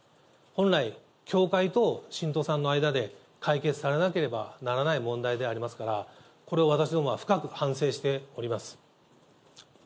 本来、教会と信徒さんの間で解決されなければならない問題でありますから、これを私どもは深く反省しております。